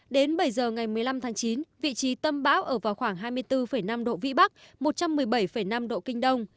đến bảy giờ ngày một mươi năm tháng chín vị trí tâm bão ở vào khoảng hai mươi bốn năm độ vĩ bắc một trăm một mươi bảy năm độ kinh đông